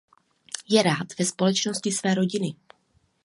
Je rád ve společnosti své rodiny.